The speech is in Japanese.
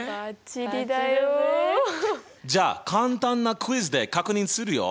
じゃあ簡単なクイズで確認するよ。